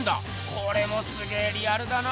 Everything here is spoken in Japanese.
これもすげえリアルだな。